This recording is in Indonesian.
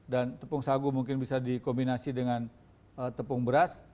dan tepung sagu mungkin bisa dikombinasi dengan tepung beras